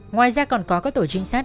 ngoài ra còn có các tổ chính sát